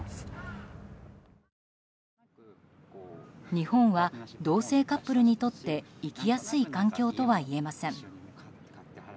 日本は同性カップルにとって生きやすい環境とは言えません。